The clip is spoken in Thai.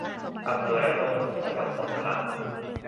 อำเภอระโนด จังหวัดสงขลา